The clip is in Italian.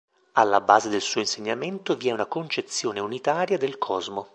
Alla base del suo insegnamento vi è una concezione unitaria del cosmo.